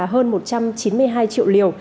hơn một trăm chín mươi hai triệu liều